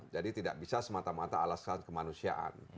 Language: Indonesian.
jadi tidak bisa semata mata alaskan kemanusiaan